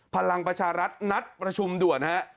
พลังประชารัฐนัดประชุมด่วนฮะ